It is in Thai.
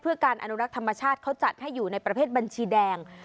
เพื่อการอนุรักษ์ธรรมชาติเขาจัดให้อยู่ในประเภทบัญชีแดง